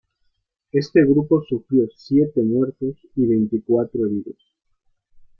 Este grupo sufrió siete muertos y veinticuatro heridos.